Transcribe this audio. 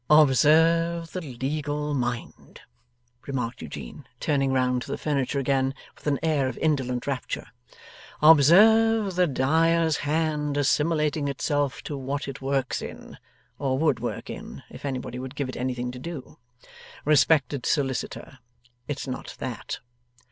'Observe the legal mind!' remarked Eugene, turning round to the furniture again, with an air of indolent rapture. 'Observe the dyer's hand, assimilating itself to what it works in, or would work in, if anybody would give it anything to do. Respected solicitor, it's not that.